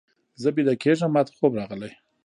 زه ویده کېږم، ماته خوب راغلی.